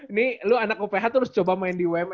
ini lu anak uph terus coba main di umkm